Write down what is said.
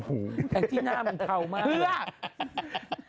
แก่งจิ้นน่าเหมือนเขามาก